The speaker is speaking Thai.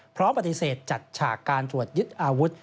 พร้อมปฏิเสธจัดฉากการตรวจยึดอาวุธ